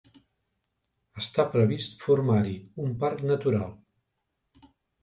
Està previst formar-hi un parc natural.